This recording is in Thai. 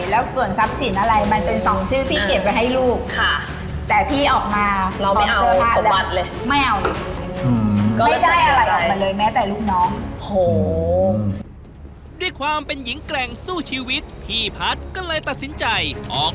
แล้วส่วนทรัพย์ศีลอะไรมันเป็น๒ชื่อพี่เก็บไปให้ลูก